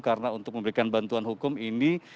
karena untuk memberikan bantuan hukum ini